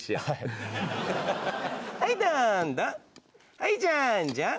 はいじゃんじゃん。